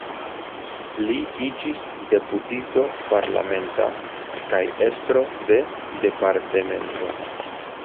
Li iĝis deputito parlamenta kaj estro de departemento.